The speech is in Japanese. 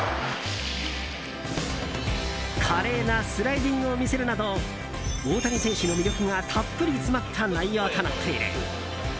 華麗なスライディングを見せるなど大谷選手の魅力がたっぷり詰まった内容となっている。